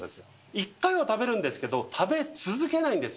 １回は食べるんですけど、食べ続けないんです。